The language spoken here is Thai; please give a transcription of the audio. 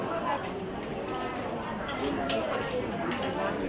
โปรดติดตามต่อไป